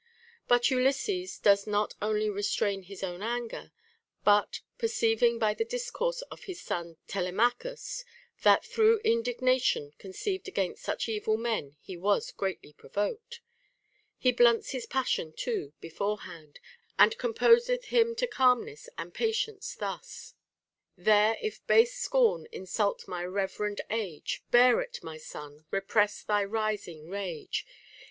But Ulvsses does not onlv restrain his own anger, but (perceiving by the discourse of his son Telema chus, that through indignation conceived against such evil men he was greatly provoked) he blunts his passion too beforehand, and composeth him to calmness and pa tience, thus :— There, if base scorn insult my reverend age, Bear it, my son ! repress thy rising rage.